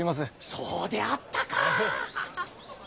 そうであったか！